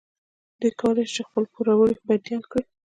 دوی کولی شول چې خپل پوروړي بندیان کړي.